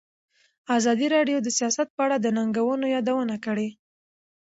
ازادي راډیو د سیاست په اړه د ننګونو یادونه کړې.